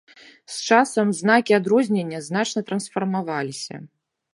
З часам знакі адрознення значна трансфармаваліся.